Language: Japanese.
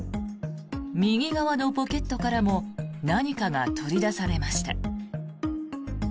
右側のポケットからも何かが取り出されました。